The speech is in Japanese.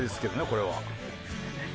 これは。